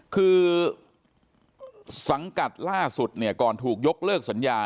คูตรศังกัดล่าสุดก่อนถูกยกเลิกสัญญา